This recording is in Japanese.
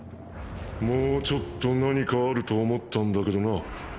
もうちょっと何かあると思ったんだけどな。